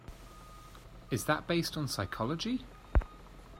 Is that based on psychology?